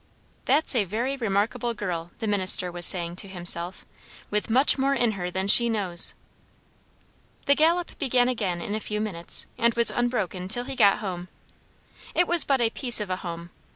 "That's a very remarkable girl," the minister was saying to himself; "with much more in her than she knows." The gallop began again in a few minutes, and was unbroken till he got home. It was but a piece of a home.